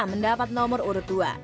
mendapat nomor urut dua